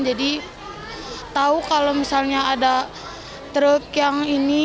jadi tahu kalau misalnya ada truk yang ini